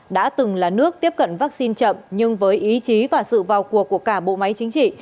đã từng là nước tiếp cận vaccine chậm nhưng với ý chí và sự vào cuộc của cả bộ máy chính trị